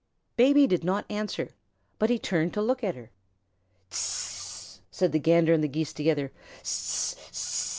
Baby did not answer, but he turned to look at her. "S s s s s!" said the Gander and the Geese together.